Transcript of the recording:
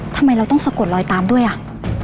ทำไมเราต้องสะกดลอยตามด้วยอ่ะ